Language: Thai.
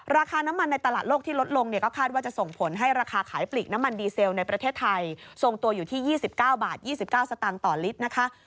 ราคาน้ำมันในตลาดโลกที่ลดลงเนี่ยก็คาดว่าจะส่งผลให้ราคาขายปลีกน้ำมันดีเซลในประเทศไทยทรงตัวอยู่ที่๒๙บาท๒๙สตางค์ต่อลิตรนะคะ